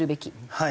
はい。